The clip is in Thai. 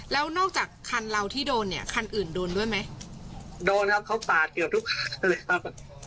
แล้วนอกจากคันเราที่โดนเนี่ยคันอื่นโดนด้วยไหมโดนครับเขาปาดเกือบทุกคันเลยครับ